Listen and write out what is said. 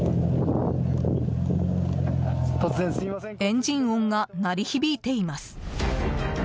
エンジン音が鳴り響いています。